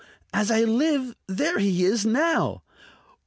as I live, there he is now!"